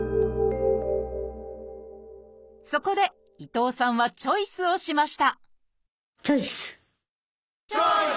そこで伊藤さんはチョイスをしましたチョイス！